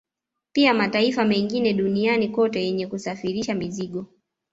Pia mataifa mengine duniani kote yenye kusafirisha mizigo